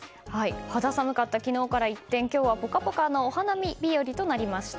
肌寒かった昨日から一転、今日はポカポカのお花見日和となりました。